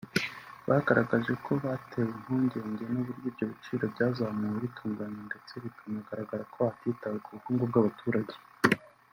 bagaragaje ko batewe impungenge n’uburyo ibyo biciro byazamuwe bitunguranye ndetse bikanagaragara ko hatitawe ku bukungu bw’abaturage